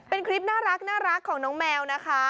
เป็นคลิปน่ารักของน้องแมวนะคะ